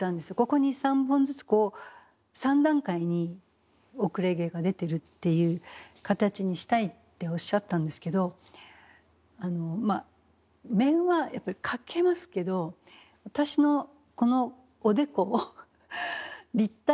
ここに３本ずつこう３段階に後れ毛が出てるっていう形にしたいっておっしゃったんですけどまあ面はやっぱり描けますけど私のこのおでこ立体じゃないですか。